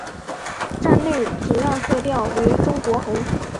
站内主要色调为中国红。